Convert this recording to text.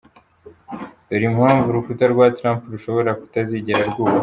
Dore impamvu urukuta rwa Trump rushobora kutazigera rwubakwa.